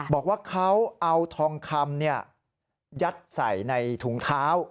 บอกว่าเขาเอาทองคำยัดใส่ในถุงเท้า